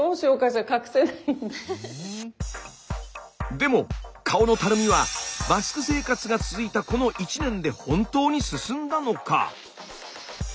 でも顔のたるみはマスク生活が続いたこの１年で本当に進んだのか？